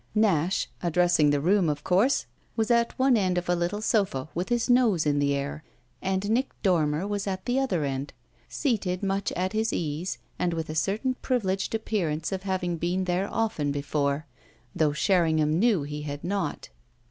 Nash, addressing the room of course, was at one end of a little sofa with his nose in the air, and Nick Dormer was at the other end, seated much at his ease and with a certain privileged appearance of having been there often before, though Sherringham knew he had not.